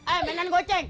eh menan goceng